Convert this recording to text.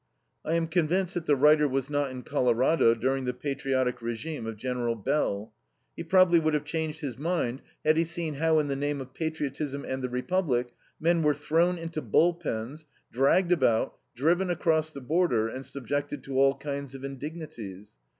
I am convinced that the writer was not in Colorado during the patriotic regime of General Bell. He probably would have changed his mind had he seen how, in the name of patriotism and the Republic, men were thrown into bull pens, dragged about, driven across the border, and subjected to all kinds of indignities.